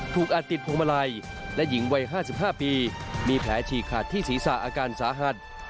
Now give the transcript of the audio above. อาจติดพวงมาลัยและหญิงวัย๕๕ปีมีแผลฉีกขาดที่ศีรษะอาการสาหัส